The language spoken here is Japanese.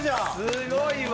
すごいわ！